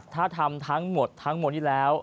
ถ้าทำทั้งหมดทั้งหมดนี้แล้ว